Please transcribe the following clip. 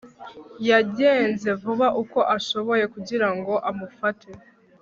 yagenze vuba uko ashoboye kugira ngo amufate